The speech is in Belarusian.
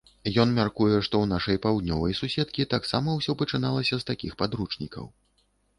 Ён мяркуе, што ў нашай паўднёвай суседкі таксама ўсё пачыналася з такіх падручнікаў.